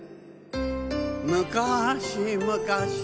むかしむかし